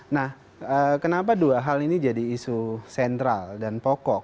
nah kenapa dua hal ini jadi isu sentral dan pokok